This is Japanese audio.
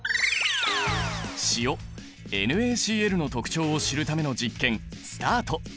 塩ＮａＣｌの特徴を知るための実験スタート！